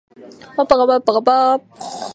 弦楽器にはバイオリンとビオラ、チェロ、コントラバスがある。